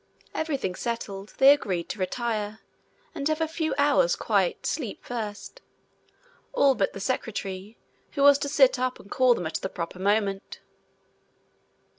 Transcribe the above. Everything settled, they agreed to retire, and have a few hours' quiet sleep first all but the secretary, who was to sit up and call them at the proper moment.